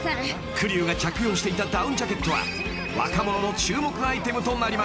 ［久利生が着用していたダウンジャケットは若者の注目アイテムとなりました］